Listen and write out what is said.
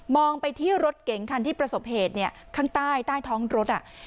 ไปที่รถเก๋งคันที่ประสบเหตุเนี่ยข้างใต้ใต้ท้องรถอ่ะ